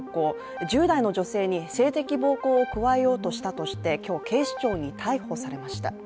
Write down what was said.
１０代の女性に性的暴行を加えようとしたとして今日、警視庁に逮捕されました。